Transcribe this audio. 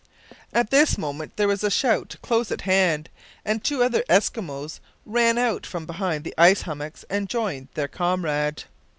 At this moment there was a shout close at hand, and two other Eskimos ran out from behind the ice hummocks and joined their comrade.